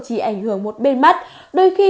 chỉ ảnh hưởng một bên mắt đôi khi